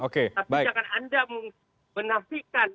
tapi jangan anda menafikan